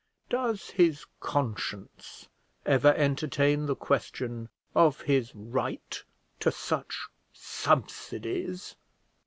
Does his conscience ever entertain the question of his right to such subsidies?